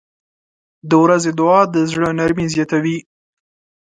• د ورځې دعا د زړه نرمي زیاتوي.